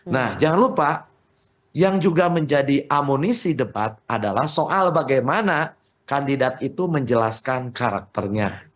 nah jangan lupa yang juga menjadi amunisi debat adalah soal bagaimana kandidat itu menjelaskan karakternya